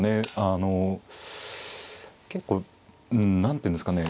あの結構うん何ていうんですかね